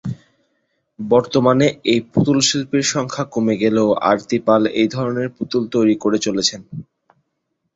বর্তমানে এই পুতুল শিল্পীর সংখ্যা কমে গেলেও আরতি পাল এই ধরনের পুতুল তৈরি করে চলেছেন।